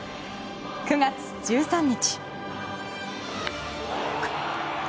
９月１３日。